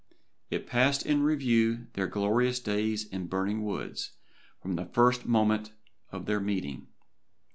It passed in review their glorious days in burning words from the first moment of their meeting.